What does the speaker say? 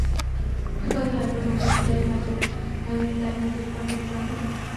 এককথায় অ্যাপল কোম্পানির যা-ই বাজারে আসবে, তা-ই নিজের করে নেন মাধুরী।